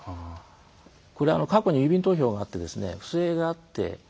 これは、過去に郵便投票があって不正があって。